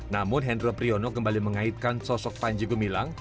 namun hendro priyono kembali mengaitkan sosok panji gumilang